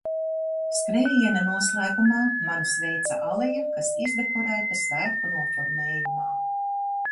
Skrējiena noslēgumā mani sveica aleja, kas izdekorēta svētku noformējumā.